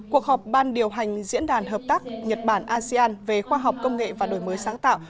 cuộc họp ban điều hành diễn đàn hợp tác nhật bản asean về khoa học công nghệ và đổi mới sáng tạo